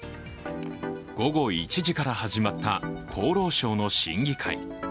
午後１時から始まった厚労省の審議会。